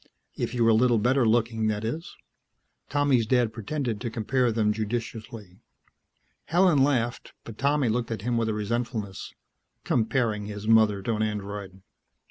If you were a little better looking, that is." Tommy's dad pretended to compare them judicially. Helen laughed, but Tommy looked at him with a resentfulness. Comparing his mother to an Android....